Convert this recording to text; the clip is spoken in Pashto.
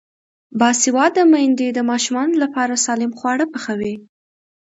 باسواده میندې د ماشومانو لپاره سالم خواړه پخوي.